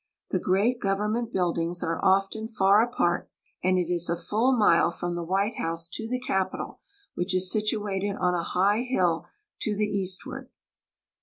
The great go\ernment buildings are often far apart, and it is a full mile from the White House to the Capitol, which is situated on a high hill to the eastward.